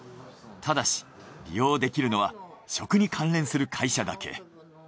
ただし利用できるのは食に関連する会社だけ。